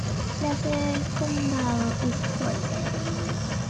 La sede del condado es Forest.